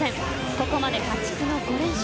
ここまで破竹の５連勝。